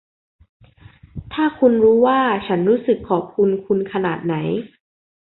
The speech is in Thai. ถ้าคุณรู้ว่าฉันรู้สึกขอบคุณคุณขนาดไหน